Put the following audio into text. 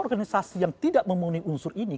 organisasi yang tidak memenuhi unsur ini